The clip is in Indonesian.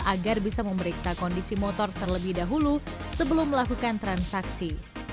agar bisa memeriksa kondisi motor terlebih dahulu sebelum melakukan transaksi